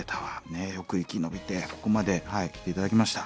ねえよく生き延びてここまできて頂きました。